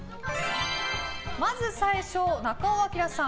まず最初、中尾彬さん